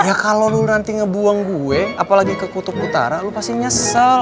ya kalau lu nanti ngebuang gue apalagi ke kutub utara lu pasti nyesel